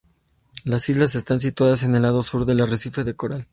Las islas están situadas en el lado sur del arrecife de coral.